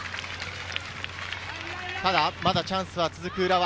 まだチャンスは続く浦和。